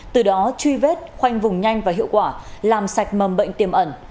từ đó truy vết khoanh vùng nhanh và hiệu quả làm sạch mầm bệnh tiềm ẩn